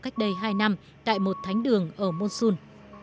cách đây hai năm tại một thánh đường ở monsun